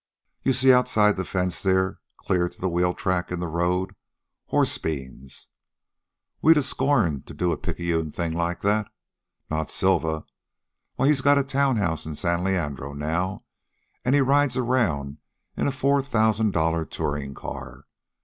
You see outside the fence there, clear to the wheel tracks in the road horse beans. We'd a scorned to do a picayune thing like that. Not Silva. Why he's got a town house in San Leandro now. An' he rides around in a four thousan' dollar tourin' car.